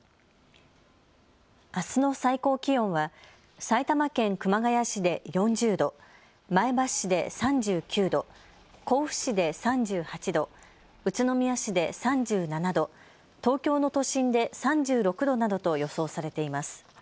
あすの最高気温は埼玉県熊谷市で４０度、前橋市で３９度、甲府市で３８度、宇都宮市で３７度、東京の都心で３６度などと予想されています。